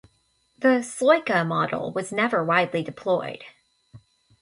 The "Sloika" model was never widely deployed.